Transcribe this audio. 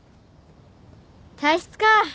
体質か。